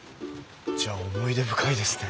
じゃあ思い出深いですね。